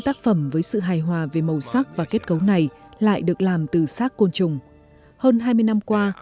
tác phẩm với sự hài hòa về màu sắc và kết cấu này lại được làm từ xác côn trùng hơn hai mươi năm qua